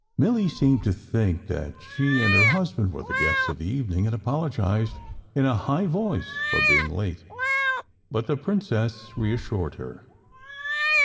Milly seemed to think that she and her husband were the guests of the evening and apologized in a high voice for being late, but the princess reassured her.